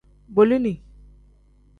Bolini.